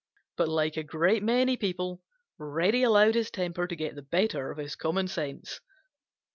But like a great many people, Reddy allowed his temper to get the better of his common sense.